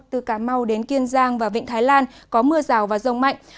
từ cà mau đến kiên giang và vịnh thái lan có mưa rào và rông mạnh